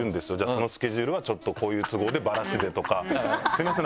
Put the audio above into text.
「そのスケジュールはちょっとこういう都合でバラシで」とかすいません